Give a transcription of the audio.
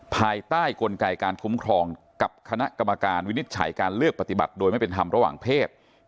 ภายใต้กลไกการคุ้มครองกับคณะกรรมการวินิจฉัยการเลือกปฏิบัติโดยไม่เป็นธรรมระหว่างเพศ